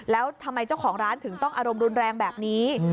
แล้วทำไมเจ้าของร้านถึงต้องอารมณ์รุนแรงแบบนี้